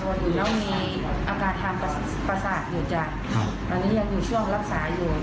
ตอนน้องอ่ะหยุดยาไปหนึ่งเดือนนะจ้ะ